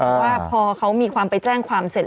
เพราะว่าพอเขามีความไปแจ้งความเสร็จ